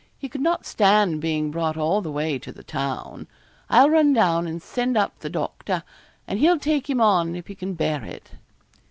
He could not stand being brought all the way to the town. I'll run down and send up the doctor, and he'll take him on if he can bear it.'